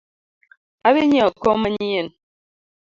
Adhii nyieo kom manyien